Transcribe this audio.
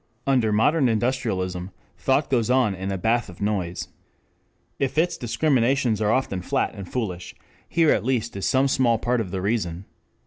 Under modern industrialism thought goes on in a bath of noise. If its discriminations are often flat and foolish, here at least is some small part of the reason.